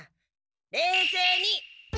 冷静に！